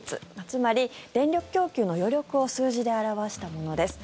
つまり電力供給の余力を数字で表したものです。